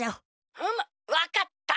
うむわかった！